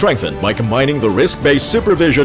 dengan menggabungkan metode pengawasan berbasis risiko